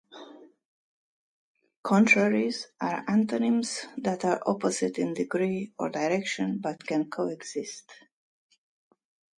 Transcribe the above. Contraries are antonyms that are opposite in degree or direction but can coexist.